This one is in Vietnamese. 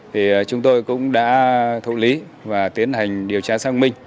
thì chúng tôi cũng đã thụ lý và tiến hành điều tra sang mình